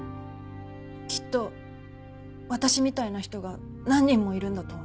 きっと私みたいな人が何人もいるんだと思う。